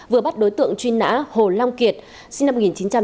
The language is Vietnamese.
vừa bắt đối tượng truy nã hồ long kiệt sinh năm một nghìn chín trăm chín mươi hai